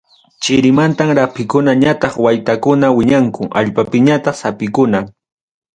Chirimantam, rapikuna ñataq waytakuna wiñanku, allpapiñataq sapikuna.